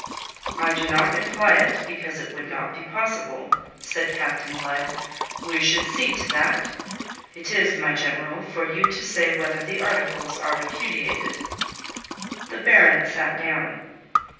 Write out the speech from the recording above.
"I do not imply it, because it would not be possible," said Captain Blood. "We should see to that. It is, my General, for you to say whether the articles are repudiated." The Baron sat down.